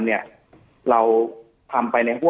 จนถึงปัจจุบันมีการมารายงานตัว